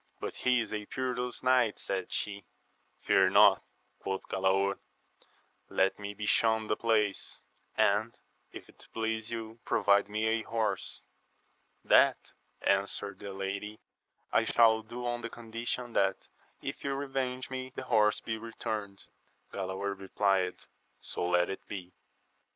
But he is a perilous knight, said she. Fear not, quoth Galaor, let me be shewn the place ; and, if it please you, provide me a horse. That, answered the lady, I shall do on the condition that if you revenge me, the horse be returned. Galaor replied. So let it be.